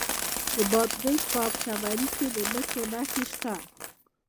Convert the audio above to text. د بادغیس په اب کمري کې د مسو نښې شته.